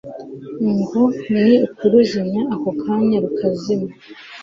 ngo ni ukuruzimya ako kanya rukazima